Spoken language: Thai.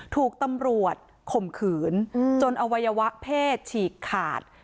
ถูกตำรวจข่มขืนจนอวัยวะเพศฉีกขาด